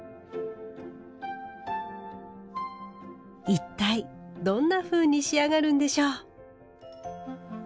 一体どんなふうに仕上がるんでしょう。